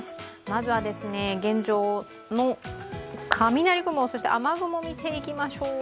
まずは、現状の雷雲そして雨雲を見ていきましょう。